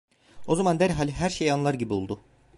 O zaman derhal her şeyi anlar gibi oldu.